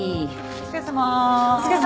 お疲れさまです。